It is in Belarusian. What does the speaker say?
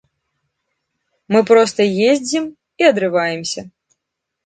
Мы проста ездзім і адрываемся!